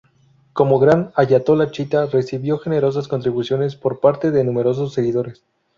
Como Gran Ayatolá chiita, recibió generosas contribuciones por parte de numerosos seguidores.